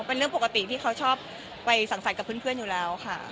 เป็นเรื่องปกติที่เขาชอบไปสั่งสรรค์กับเพื่อนอยู่แล้วค่ะ